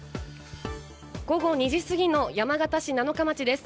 午後２時過ぎの山形市七日町です。